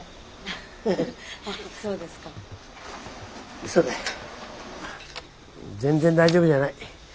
うそだ全然大丈夫じゃない。